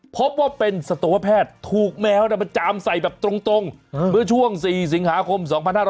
พบว่าเป็นสัตวแพทย์ถูกแมวมาจามใส่แบบตรงเมื่อช่วง๔สิงหาคม๒๕๕๙